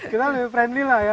kita lebih friendly lah ya